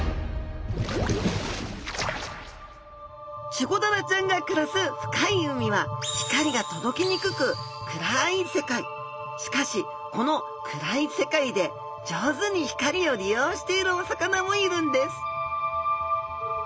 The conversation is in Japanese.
チゴダラちゃんが暮らす深い海はしかしこの暗い世界で上手に光を利用しているお魚もいるんです！